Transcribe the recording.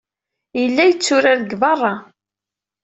Yella yetturar deg beṛṛa.